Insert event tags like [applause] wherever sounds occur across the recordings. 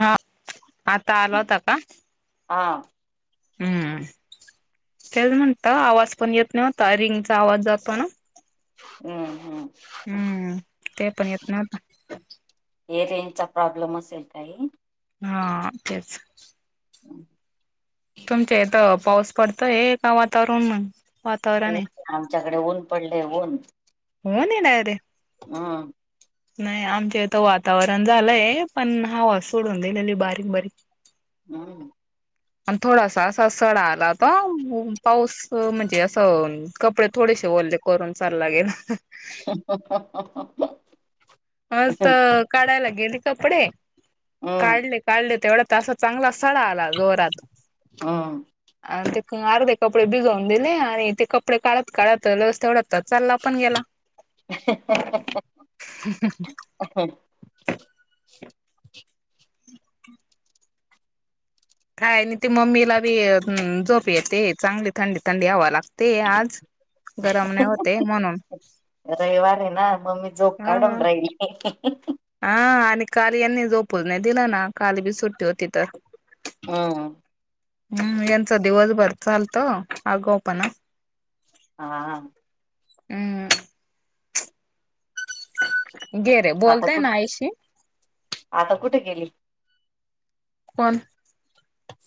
हा आता आला होता का हां. हम्म त्याच म्हणत आवाज पण येत नव्हता रिंगचा आवाज जातो ना. हम्म हम्म. हम्म ते पण येत नात. हे रेंज चा प्रॉब्लेम असेल काही हा तेच हम्. तुम येत पाऊस पडताो आहे का वातावरणण वातावरण आहे. ऊन आमच्याकडे ऊन पडले ऊन होन ये नारे. हा. नाही आमच्या इथं वातावरण झालंय पण हवा सोडून दिलेली बारीक बारीक हम्. आणि थोडासा असा सळा आला तर पाऊस म्हणजे असं. कपडे थोडेसे ओोले करून चालला गेल. हा हा हा हा. हज तर काढायला गेली कपडे हम्म काढले काढले तेवढा तास हो. चांगला स्थळ आला जोरात हम्म अ ते अर्धे कपडे बिझवन दिले आणि ते कपडे कालत. काळात लस तेवढाताच चालला पण गेला. [unintelligible] अम्. काय आणि ते मम्मीला बी हम्म जोप येते चांगली थंडी थंडी हवा लागते. ते आज गरमणे नाय होते म्हणून रयवार आहे ना मग मी झोप हा. काढून राहिली हा आणि काल यांनी झोपून नाही दिलं ना काली बी सुट्टी होती तर हम्म हम् यांचा दिवसभर चालत आगाऊ पण हां हां हम्म ह आता कुठ आता कुठे गेली पण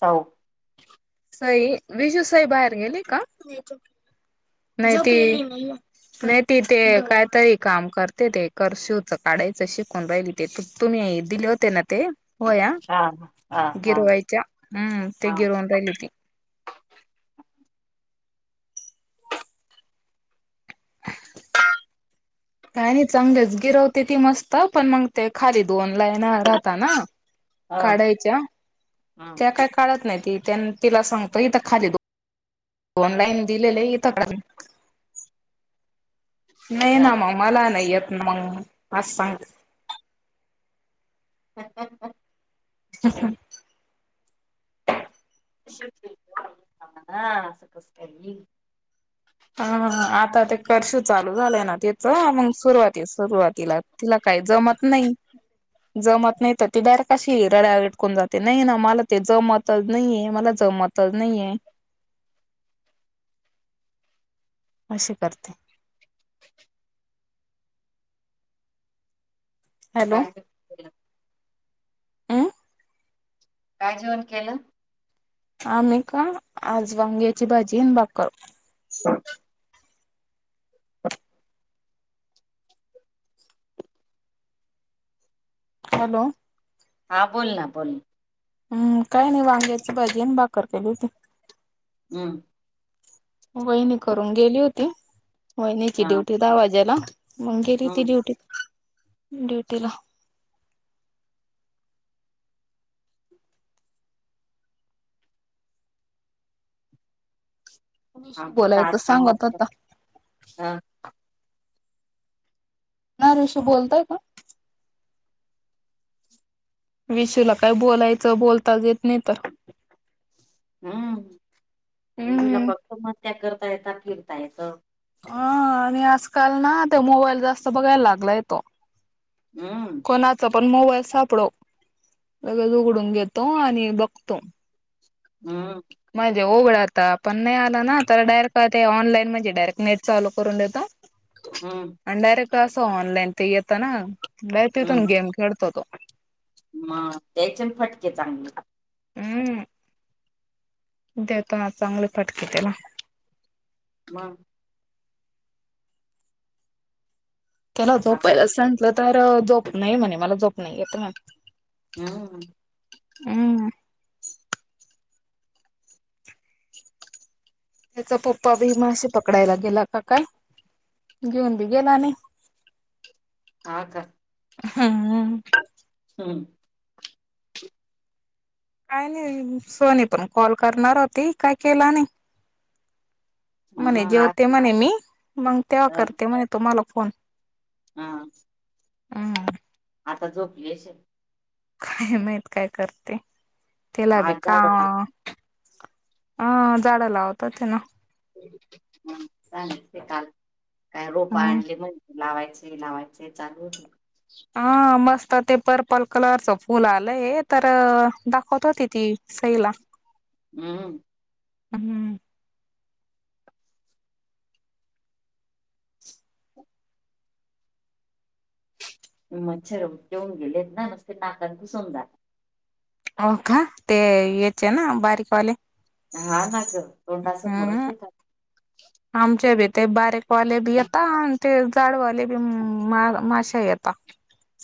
सऊ सई विजू साई बाहेर गेली का नाहीती पण ति ते कायतरी काम करते ते कर शिवच काढायचं शिकून राहिली ते तुम्ही दिले होते ना ते होया हा हा हा गिरवायच्या हम्म ते हा गिरवून राहिली ती काय नाही चांगलेच गिरवते ती मस्त पण मग ते खाली दोन लाईना राहता ना ह काढायच्या हम्म त्या काय काढत नाही ती त्या तिला सांगतो इथं खाली ऑनलाईन दिलेलं इथं का नाही हा ना मग मला नाही येत ना मग आज सांग हा हा हा हचछा स ह आता ते कर्फ्यू चालू झालंय ना तच मग सुरुवाती सुरुवातीला तिला काही जमत नाही जमत नाही तर ती डार कशी रड्याटकून जाते नाही ना मला ते जमतच नाहीये मला जमत तर नाहीये अशी करते हॅलो काय हम् काय जेवन केलं आम्ही का आजवांग्याची भाजी बाक अ ह हॅलो हां बोल ना बोल हम्म काय नाही वांग्याची भाजी आणि भाकर केली होती हम् वहिनी करून गेली होती वहिनीची हा ड्युटी दहा वाज्याला मग गेली हम्म ती ड्युटी ड्युटीला विशू आमच्या त बोलायचं आज कामच सांगत होता अ नाही ऋषी बोलतय का विषूला काय बोलायचं बोलताच येत नाही तर हम्म बजूला हम्म फक्त मस्त्याग करता येत फिरता येत ह आणि आजकाल ना त्या मोबाईल जास्त बघायला लागलाय तो हम कोणाचा पण मोबाईल सापडव लगच उघडून घेतो आणि बघतो हम म्हणजे हो बे आता पण नाही आला ना तर डायरेट ऑनलाईनणजे डायरेक्ट नेट चालू करून देतो हम्म आणि डायरेक्ट असं ऑनलाईन ते येतं ना ब त तोण हम्म गेम खेळतोतो मग त्याच्यान फटके चांगले उअ. देतात चांगले फटके त्याला म त्याला आपल्या जोपायला सांटलं तर जोप नाही म्हणे मला जोप नाही येत म हम्. उअ. हेचा पप्पा बी मासे पकडायला गेला का काय? घिऊन बी गेला नई. हा का? उहू हह. हम्. काय नाही, सोनी पण कॉल करणार होती, काय केला नई. म्हणे हा जेवते म्हणे मी मंग तेव्हा करते म्हणे तुम्हाला फोन हा हम्म आता झोपली [unintelligible] काय माहित काय करते, तिला बी आज का झाड अ झाडं लावतात ये ना [unintelligible] सांगितली काल काय रोपा हम्म आणली म्हण लावायची लावायची चालू होती. हा मस्त ते पर्पल कलरचं फुल आलंय तर दाखवत होती ती सईला उहू. अहू. मच्छर ठेऊन गेलेत ना मस्ते [unintelligible] घुसून जात हो का? ते याचे ना बारीकवाले हा नाच ह अ. आमच्या भी ते बारीकवाले भी येता आणि ते जाडवाले [unintelligible] मार माशा येता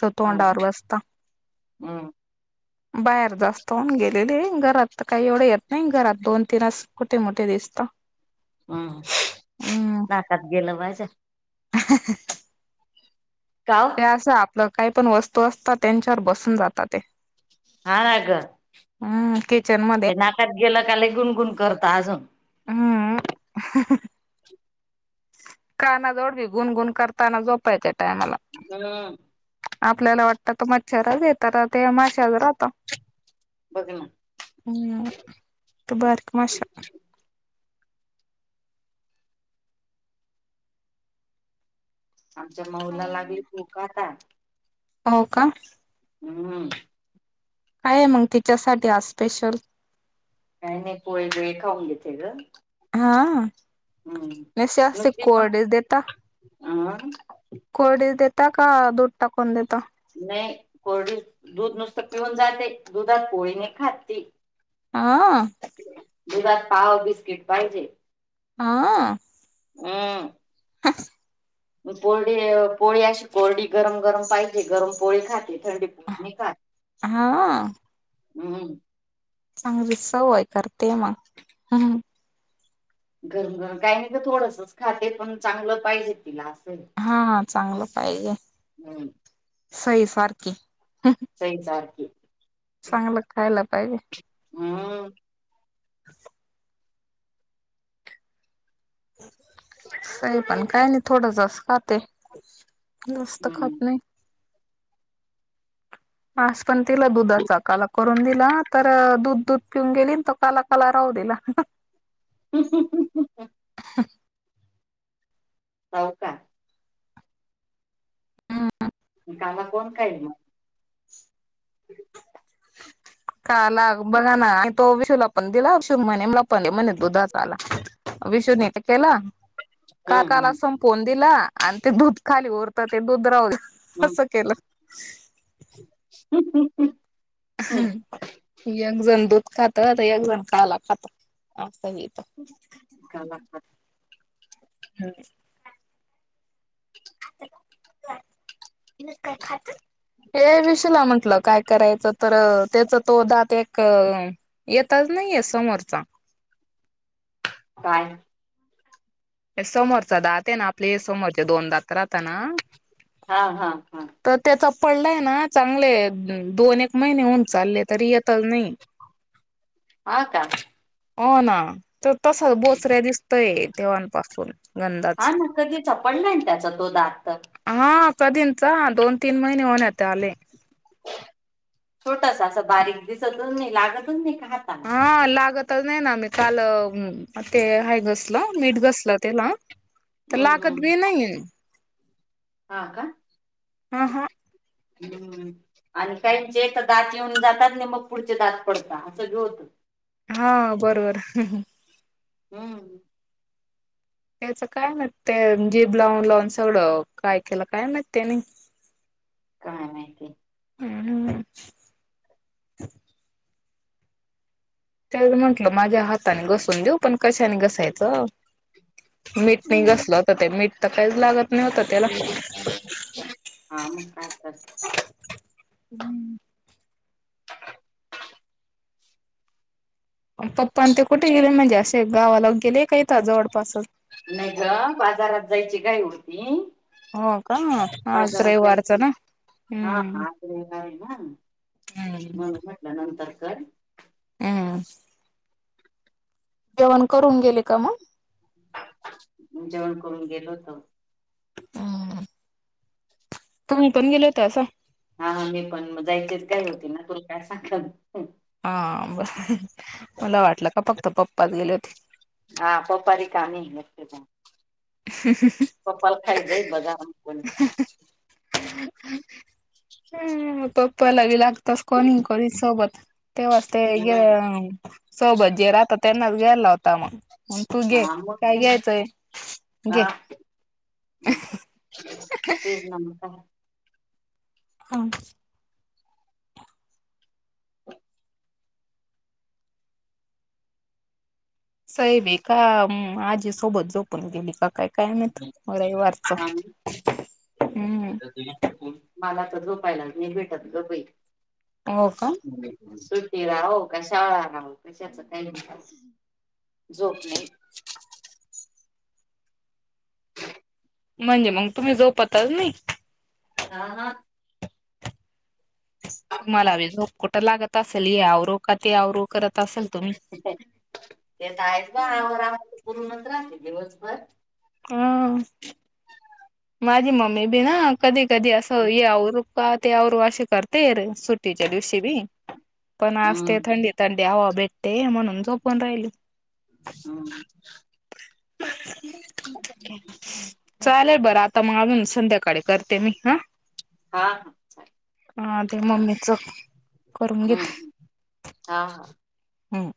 स हा ना तोंडावर बसता हम्म. बाहेर जास्त हून गेलेले घरात त काय एवढं येत नाई घरात दोन तीन अस कुठे मोठे दिसता हम् नाकात गेलं माझ्या [inaudible] का ओ? अस आपलं काही पण वस्तू असता त्यांच्यावर बसून जाता ते हा ना ग हम्म किचन मध्ये ते नाकात गेलं का लई गुणगुण करत आजून हम्म. काना जोवळ बी गुणगुण करता ना जोपायच्या टायमाला [unintelligible] आपल्याला वाटत तो मच्छरच येत आता ते माशा [unintelligible] राहता बघ ना हम् त बारीक माशा आमच्या माऊला लागली भूक आता हो का? हम्म. काय आय मंग तिच्यासाठी आज स्पेशल? काही नाही पोळी बीळी खाऊन घेते ग हा हम्म नेसे असे नुसती मग कोरडेच देता अ कोरडेच देता का दूध टाकून देता? नई कोरडीच दूध नुसतं पिऊन जाते, दुधात पोळी नई खात ती हा. दुधात पाव, बिस्किट पाहिजे हा हम्म [inaudible] पोरडी पोळी अशी कोरडी गरम गरम पाहिजे गरम पोळी खाते थंडी नाही खात हा हम्म चांगली सवय करते मग हम्म गरम गरम काही नाही गं थोडसच खाते पण चांगलं पाहिजे तिला असं हा चांगलं पाहिजे हम्म सई सारखी सई सारखी चांगलं खायला पाहिजे हम्म [unintelligible] सई पण काय नाही थोडं सच खाते जास्त खात हम्म नाही आज पण तिला दुधाचा काला करून दिला तर दूध दूध पिऊन गेली तर काला काला राहू दिला [inaudible] हो का मघ काला कोण करनार काला बघा ना आणि तो विषूला पण दिला शुभमला पण म्हणे दुधाचा काला विषूने तर केला हम्म काकाला हम्म संपवून दिला आणि ते दूध खाली उरत ते दूध रावल असं केलं [inaudible] [inaudible] हम्म एक जण दूध खात एक जण काला खात अस आहे इथं काला खातात हम्म [inaudible] हे विषूला म्हंटलं काय करायच तर त्याच तो दात एक येताच नाहीे समोरचा काय समोरचा दात आहे ना आपले हे समोरचे दोन दात राहत ना हा हा हा तर त्याचा पडलाय ना चांगले दोन एक महिने होऊन चालले तरी येतच नाहीये [inaudible] हा का हो ना तर तसाच बोचऱ्या दिसतय तेव्हापासून गंधाच हा ना कधीचा पडलाय ना त्याचा तो दात तर हा कदीचा दोन तीन महिने होण्यात आले छोटसा असा बारीक दिसतून नाही लागतून नाही का हाता हा लागतच नाही ना मी काल ते हा घसलं मीठ घसलं त्याला तर हम्म लागत हम्म भी नाहीये हा का हम्म आणि काहीचे तर दात येऊन जातात ना मग पुढचे दात पडतात अस भी होत हा बरोबर हम्म त्याच काय ना ते जीभ लावून लावून सगळं काय केलं काय माहीत त्याने [inaudible] काय माहिती हम् त्या म्हंटलं माझ्या हाताने घसून देऊ पण कशाने घसायचं मीठ नाही हम्म घसलं होत ते मीठ तर काही लागत न होत हो तेला हा मग काय तर पप्पा आणि ते कुठे गेले म्हणजे असे गावाला गेले काय नाही ग बाजारात जायची काय उरती हो का आज बाजारात जाय रविवारच ना हा आ्र आहे ना हम् म्हटलं न तरका हा जेवण करून गेले का मग जेवण कोण गेलोतो तम पण गेले होते अस हा हा मी पण जायचेच काय होती ना तु काय सांगत हा बर मला वाटलं का फक्त पप्पात गेले होते हा पपारी कामी आहे बघार पण [unintelligible] हम पप्पाला बी लागतस कॉनिंग कर सोबत तेव्हाजते हा सोभजी राहता त्यांनाच ग्यायला होता मग मग तू घे मग काय ते घ्यायचंय हा घे. तेच नम का ह [unintelligible] सैब का आजी सोबत जोपून गेली का काय काय मात वही वारच आणि हम् मला तर झोपायला म भेटत गपई हो का सुट्टी राहू कशाळा राहू कशाच काही म्ह हम् झोप नाही म्हणजे मग तुम्ही जोपतल नाही ह हा तुम्हाला झो कुठं लागत सलर कथीव करत असेल तुम्ही. तेच आहेत बा आवार आवर परणच राहते दिवसभर हा माझी मम्मी बी ना कधी कधी असं हम्म यावर का ते औ असे करते रे सुट्टीच्या दिवशी बी पण आज ते थंडीत डी हवा भेटते म्हणून झोपून राहिली हम् चालेल बरं आता मून संध्याकाळी करते मी हा हा हा चाले हा ते मम्मीच करून घेत हम्म हा हा हम्